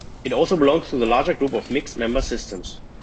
It also belongs to the larger group of Mixed-Member Systems.